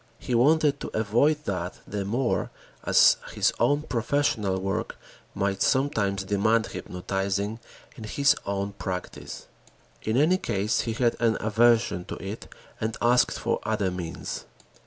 He wanted to avoid that the more as his own professional work might sometimes demand hypnotizing in his own practice. In any case he had an aversion to it and asked for other means.